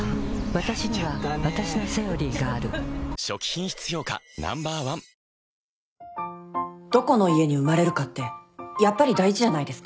わたしにはわたしの「セオリー」がある初期品質評価Ｎｏ．１どこの家に生まれるかってやっぱり大事じゃないですか。